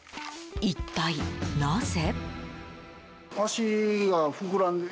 一体、なぜ？